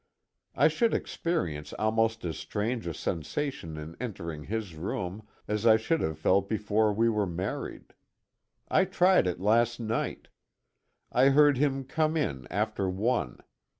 I should experience almost as strange a sensation in entering his room, as I should have felt before we were married. I tried it last night. I heard him come in after one.